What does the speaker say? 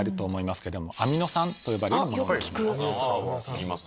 聞きます。